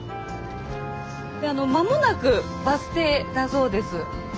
間もなくバス停だそうです。